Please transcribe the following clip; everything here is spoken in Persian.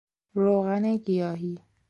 روغن گیاهی